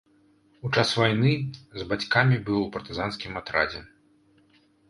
У час вайны з бацькамі быў у партызанскім атрадзе.